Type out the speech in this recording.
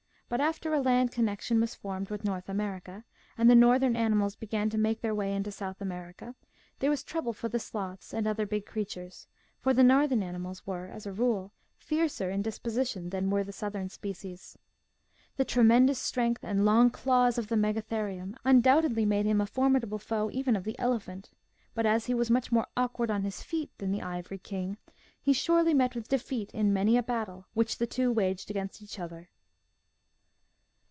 But after a land connection was formed with North America and the northern animals began to make their way into South America, there was trouble for the sloths and other big creatures, for the northern animals were, as a rule, fiercer in disposition than were the southern species. The tremendous strength and long claws of the Megatherium undoubtedly made him a formidable foe even of the elephant. But, as he was much more awkward on his feet than the Ivory King, he surely met with defeat in many a battle which the two waged against each other.